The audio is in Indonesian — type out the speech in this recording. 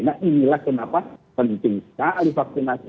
nah inilah kenapa penting sekali vaksinasi